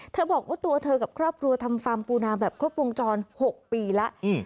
บอกว่าตัวเธอกับครอบครัวทำฟาร์มปูนาแบบครบวงจร๖ปีแล้ว